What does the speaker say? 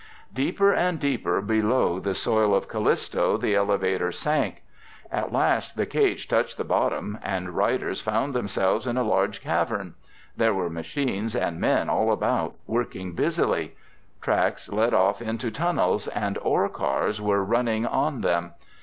Deeper and deeper below the soil of Callisto the elevator sank. At last the cage reached the bottom, and the riders found themselves in a large cavern. There were machines and men all about, working busily. Tracks led off into tunnels and ore cars were running on them.